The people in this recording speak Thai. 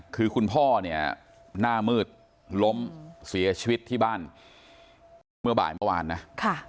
คือคุณพ่อเนี่ยหน้ามืดล้มเสียชีวิตที่บ้านเมื่อบ่ายเมื่อวานนะ